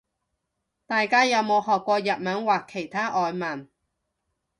大家有冇學過日文或其他外文